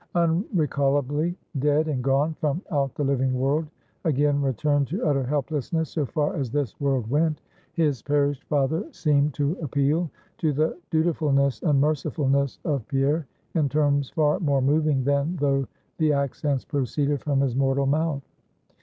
Unrecallably dead and gone from out the living world, again returned to utter helplessness, so far as this world went; his perished father seemed to appeal to the dutifulness and mercifulness of Pierre, in terms far more moving than though the accents proceeded from his mortal mouth.